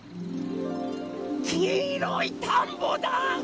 きいろいたんぼだ！